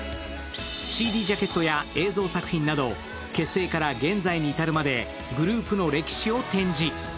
ＣＤジャケットや映像作品など結成から現在に至るまでグループの歴史を展示。